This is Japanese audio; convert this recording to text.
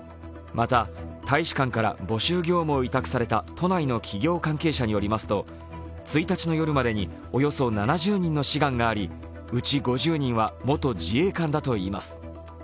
また、大使館から募集業務を委託された都内の企業関係者によりますと、１日の夜までにおよそ７０人の志願がありうち５０人は元自衛官だといいます。